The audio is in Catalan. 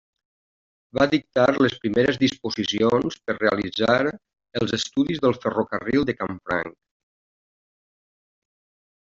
Va dictar les primeres disposicions per realitzar els estudis del ferrocarril de Canfranc.